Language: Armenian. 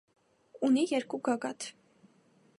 Ունի երկու գագաթ։